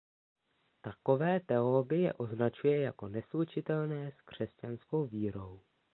Takové teologie označuje jako neslučitelné s křesťanskou vírou.